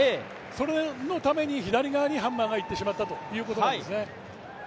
そのために左側にハンマーがいってしまったということなんですね。